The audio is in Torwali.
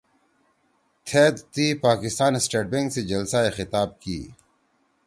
تھید تی پاکستان سٹیٹ بینک سی جلسہ ئےخطاب کی